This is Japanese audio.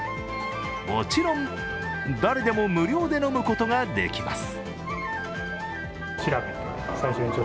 もちろん、誰でも無料で飲むことができます。